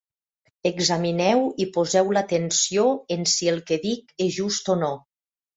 Examineu i poseu l'atenció en si el que dic és just o no.